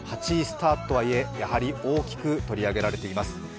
８位スタートとはいえやはり大きく取り上げられています。